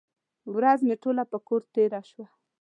ورځ مې ټوله په کور تېره شوه.